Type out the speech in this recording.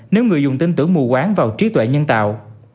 những người dùng tin tưởng mù quán vào trí tuệ nhân tạo